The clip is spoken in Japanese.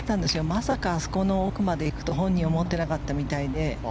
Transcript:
まさか、あそこの奥まで行くと、本人は思っていなかったみたいで。